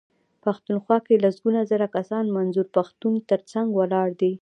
پښتونخوا کې لسګونه زره کسان د منظور پښتون ترڅنګ ولاړ دي.